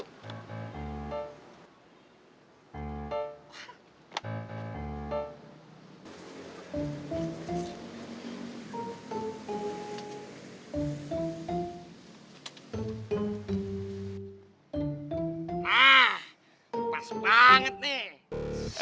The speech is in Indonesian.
nah pas banget nih